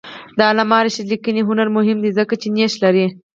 د علامه رشاد لیکنی هنر مهم دی ځکه چې نیښ لري.